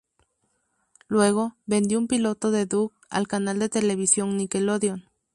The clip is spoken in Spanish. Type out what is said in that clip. Luego vendió un piloto de Doug al canal de televisión Nickelodeon.